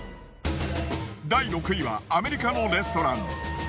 第６位はアメリカのレストラン。